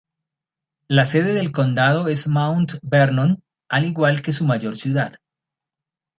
La sede del condado es Mount Vernon, al igual que su mayor ciudad.